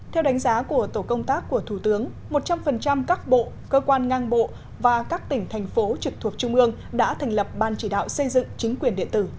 theo đánh giá của tổ công tác của thủ tướng một trăm linh các bộ cơ quan ngang bộ và các tỉnh thành phố trực thuộc trung ương đã thành lập ban chỉ đạo xây dựng chính quyền điện tử